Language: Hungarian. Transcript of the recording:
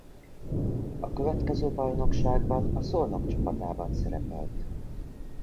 A következő bajnokságban a Szolnok csapatában szerepelt.